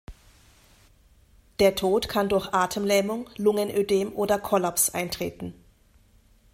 Der Tod kann durch Atemlähmung, Lungenödem oder Kollaps eintreten.